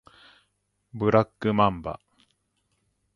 ブラックマンバ